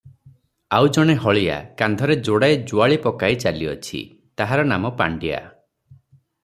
ଆଉ ଜଣେ ହଳିଆ କାନ୍ଧରେ ଯୋଡ଼ାଏ ଯୁଆଳି ପକାଇ ଚାଲିଅଛି, ତାହାର ନାମ ପାଣ୍ତିଆ ।